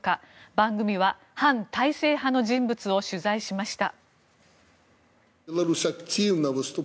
番組は反体制派の人物を取材しました。